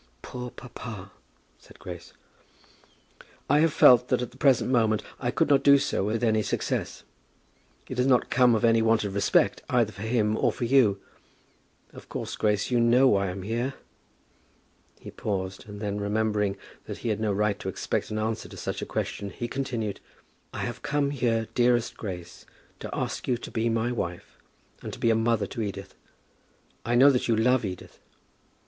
"Poor papa," said Grace. "I have felt that at the present moment I could not do so with any success. It has not come of any want of respect either for him or for you. Of course, Grace, you know why I am here?" He paused, and then remembering that he had no right to expect an answer to such a question, he continued, "I have come here, dearest Grace, to ask you to be my wife, and to be a mother to Edith. I know that you love Edith."